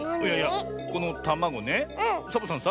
このたまごねサボさんさ